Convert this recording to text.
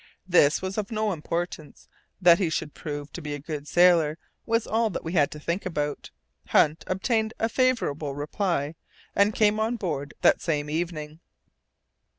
This was of no importance; that he should prove to be a good sailor was all we had to think about. Hunt obtained a favourable reply, and came on board that same evening.